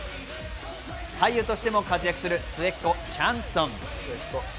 俳優としても活躍する末っ子・チャンソン。